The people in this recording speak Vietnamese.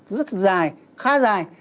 rất dài khá dài